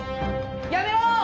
やめろ！